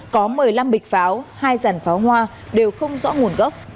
có một mươi năm bịch pháo hai ràn pháo hoa đều không rõ nguồn gốc